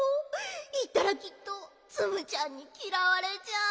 いったらきっとツムちゃんにきらわれちゃう。